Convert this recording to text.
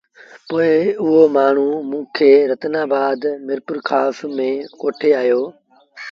پوء او مآڻهوٚݩ موݩ کي رتنآن آبآد ميرپورکآس ميݩ ڪوٺي آيو۔